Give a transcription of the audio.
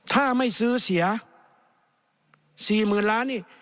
ถ้าไม่ซื้อเสีย๔๐๐๐ล้านนี่